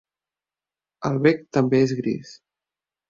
El bec també és gris.